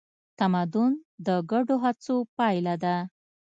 تمدن د ګډو هڅو پایله ده.